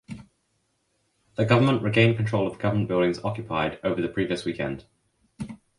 The government regained control of government buildings occupied over the previous weekend.